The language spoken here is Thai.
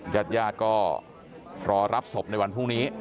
จัดยาดก็รอรับสบในวันภูมินี้